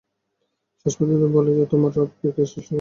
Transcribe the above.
শেষ পর্যন্ত বলে যে, তোমার রবকে কে সৃষ্টি করেছে?